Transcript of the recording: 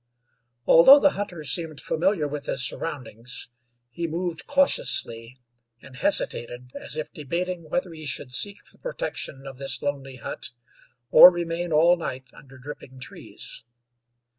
Although the hunter seemed familiar with his surroundings, he moved cautiously, and hesitated as if debating whether he should seek the protection of this lonely hut, or remain all night under dripping trees.